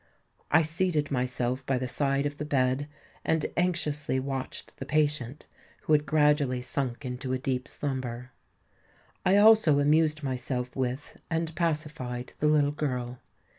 I seated myself by the side of the bed, and anxiously watched the patient, who had gradually sunk into a deep slumber. I also amused myself with, and pacified the little girl.